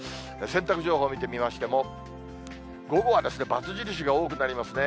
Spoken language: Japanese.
洗濯情報見てみましても、午後はバツ印が多くなりますね。